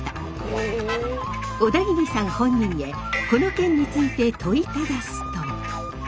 小田切さん本人へこの件について問いただすと。